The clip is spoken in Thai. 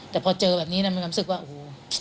แต่พอเจอแบบนี้มันรู้สึกว่าโอ้โห